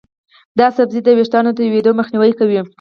دا سبزی د ویښتانو تویېدو مخنیوی کوي.